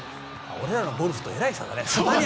俺らのゴルフとえらい違いだね。